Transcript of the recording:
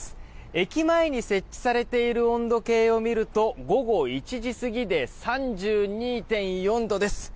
駅前に設置されている温度計を見ると午後１時過ぎで３２．４度です。